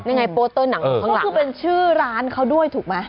นี่ไงโปรโต้หนังของข้างหลังนะก็คือเป็นชื่อร้านเขาด้วยถูกไหม